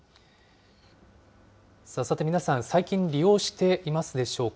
さて皆さん、最近、利用していますでしょうか。